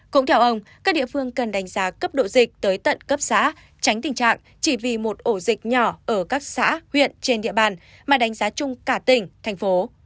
cũng theo ông các địa phương cần đánh giá cấp độ dịch tới tận cấp xã tránh tình trạng chỉ vì một ổ dịch nhỏ ở các xã huyện trên địa bàn mà đánh giá chung cả tỉnh thành phố